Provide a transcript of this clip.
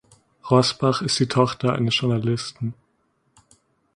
Rossbach ist die Tochter eines Journalisten.